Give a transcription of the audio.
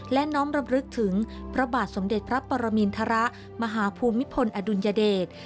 และน้อมรำลึกถึงพระบาทสมเด็จพระปรมินทรมาหาภูมิพลอดุลยเดช